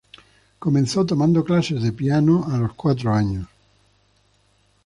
Comenzó tomando clases de piano a los cuatro años.